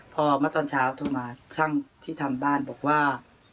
พอเมื่อตอนเช้าโทรมาช่างที่ทำบ้านบอกว่า